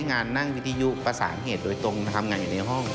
งานนั่งวิทยุประสานเหตุโดยตรงทำงานอยู่ในห้อง